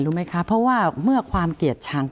รู้ไหมคะเพราะว่าเมื่อความเกลียดชัง